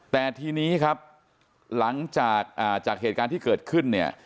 แต่ทีนี้ครับหลังจากเหตุการณ์ที่เกิดขึ้น